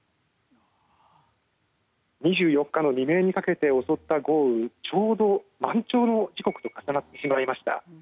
２４日未明にかけて襲った豪雨ちょうど満潮の時刻と重なってしまいました。